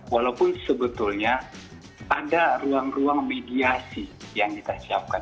walaupun sebetulnya ada ruang ruang mediasi yang kita siapkan